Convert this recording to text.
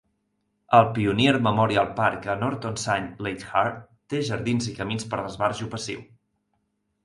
El Pioneer Memorial Park a Norton St, Leichhardt, té jardins i camins per a l'esbarjo passiu.